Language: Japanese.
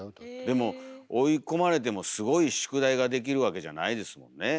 でも追い込まれてもすごい宿題ができるわけじゃないですもんね。